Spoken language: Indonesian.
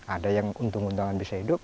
ada yang untung untungan bisa hidup